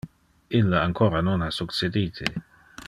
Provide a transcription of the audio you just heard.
Ille ancora non ha succedite.